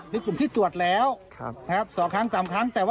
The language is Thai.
ประเทศทั่วโลกมันก็ไปหมดแล้ว